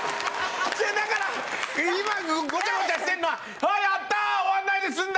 だから今ごちゃごちゃしてるのは「やったー終わらないで済んだ！